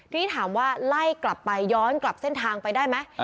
ทีนี้ถามว่าไล่กลับไปย้อนกลับเส้นทางไปได้ไหม